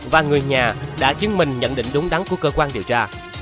và người nhà đã chứng minh nhận định đúng đắn của cơ quan điều tra